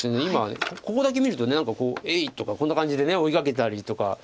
今ここだけ見ると何か「えいっ！」とかこんな感じで追いかけたりとか。